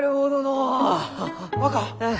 若！